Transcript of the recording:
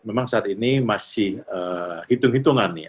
memang saat ini masih hitung hitungan ya